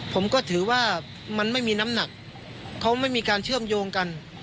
ผมก็ถือว่ามันไม่มีน้ำหนักเขาไม่มีการเชื่อมโยงกัน